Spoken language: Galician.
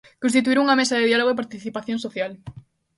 Constituír unha mesa de diálogo e participación social.